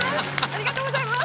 ありがとうございます。